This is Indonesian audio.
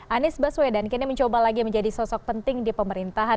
anies baswedan kini mencoba lagi menjadi sosok penting di pemerintahan